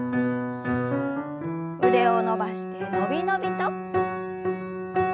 腕を伸ばしてのびのびと。